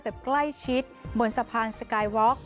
แบบใกล้ชิดบนสะพานสกายวอค